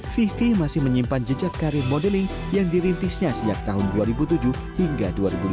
vivi masih menyimpan jejak karir modeling yang dirintisnya sejak tahun dua ribu tujuh hingga dua ribu lima